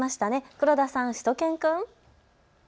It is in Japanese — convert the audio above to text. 黒田さん、しゅと犬くん。